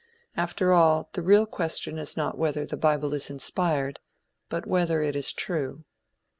After all, the real question is not whether the bible is inspired, but whether it is true.